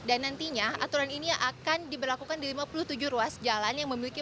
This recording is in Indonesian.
dan nantinya aturan ini akan diberlakukan di lima puluh tujuh ruas jalan yang memiliki